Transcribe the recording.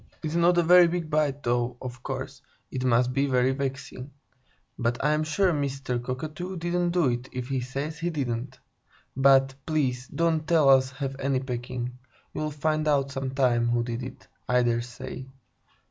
"It's not a very big bite, though, of course, it must be very vexing. But I'm sure Mr. Cockatoo didn't do it, if he says he didn't. But, please, don't let us have any pecking. You'll find out, sometime, who did it, I dare say."